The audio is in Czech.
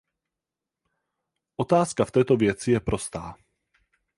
Otázka v této věci je prostá.